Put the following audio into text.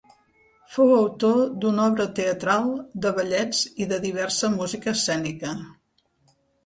Fou autor d'una obra teatral, de ballets i de diversa música escènica.